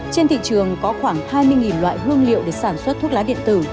trên thị trường có khoảng hai mươi loại hương liệu để sản xuất thuốc lá điện tử